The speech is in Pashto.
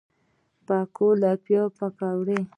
زړورتیا د عمل جرئت ورکوي.